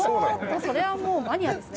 それはもうマニアですね